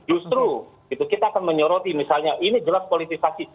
justru kita akan menyoroti misalnya ini jelas politisasi